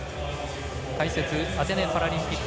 解説、アテネパラリンピック